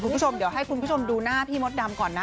คุณผู้ชมเดี๋ยวให้คุณผู้ชมดูหน้าพี่มดดำก่อนนะ